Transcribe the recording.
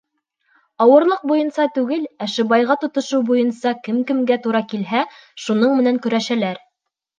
Ауырлыҡ буйынса түгел, ә шыбаға тотошоу буйынса кем-кемгә тура килһә, шуның менән көрәшәләр.